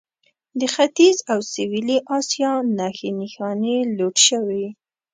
د ختیځ او سویلي اسیا نښې نښانې لوټ شوي.